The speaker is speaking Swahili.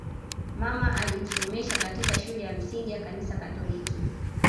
Mama alimsomesha katika shule ya msingi ya Kanisa Katoliki